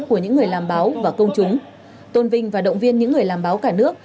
của những người làm báo và công chúng tôn vinh và động viên những người làm báo cả nước